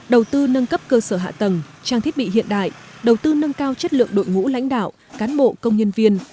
đầu tư nâng cấp cơ sở hạ tầng trang thiết bị hiện đại đầu tư nâng cao chất lượng đội ngũ lãnh đạo cán bộ công nhân viên